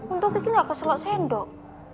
untuk kiki gak keselak sendok